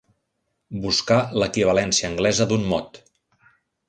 Buscar l'equivalència anglesa d'un mot.